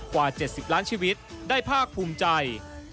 กว่า๗๐ล้านชีวิตได้ภาคภูมิใจ